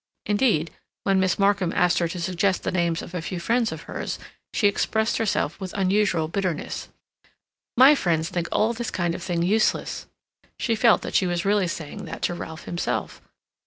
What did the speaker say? Indeed, when Miss Markham asked her to suggest the names of a few friends of hers, she expressed herself with unusual bitterness: "My friends think all this kind of thing useless." She felt that she was really saying that to Ralph himself.